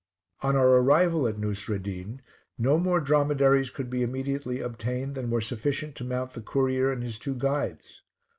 On our arrival at Nousreddin, no more dromedaries could be immediately obtained than were sufficient to mount the courier and his two guides.